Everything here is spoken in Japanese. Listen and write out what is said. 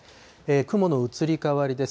雲の移り変わりです。